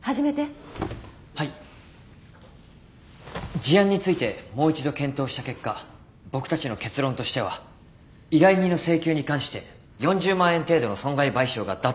事案についてもう一度検討した結果僕たちの結論としては依頼人の請求に関して４０万円程度の損害賠償が妥当だと考えます。